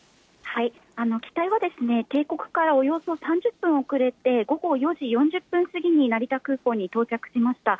機体は定刻からおよそ３０分遅れて、午後４時４０分過ぎに成田空港に到着しました。